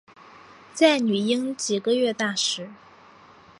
在女婴几个月大时